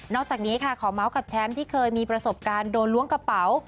จากนี้ค่ะขอเมาส์กับแชมป์ที่เคยมีประสบการณ์โดนล้วงกระเป๋า